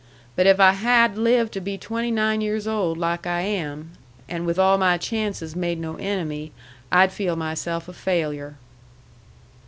But if I had lived to be twenty nine years old like I am, and with all my chances made no enemy, I'd feel myself a failure."